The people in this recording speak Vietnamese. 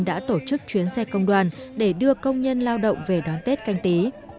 đã tổ chức chuyến xe công đoàn để đưa công nhân lao động về đón tết canh tí